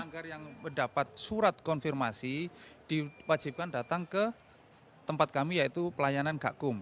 pelanggar yang mendapat surat konfirmasi diwajibkan datang ke tempat kami yaitu pelayanan gakum